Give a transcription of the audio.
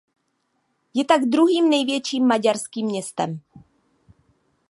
Je tak druhým největším maďarským městem.